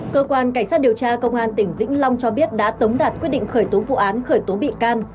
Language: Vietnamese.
cơ quan cảnh sát điều tra công an tỉnh vĩnh long cho biết đã tống đạt quyết định khởi tố vụ án khởi tố bị can